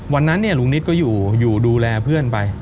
วันนั้นเนี่ยลุงศักดิ์นิสก็อยู่ดูแลเพื่อนไป